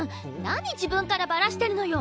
何自分からばらしてるのよ。